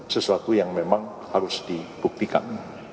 sesuatu yang memang harus dibuktikan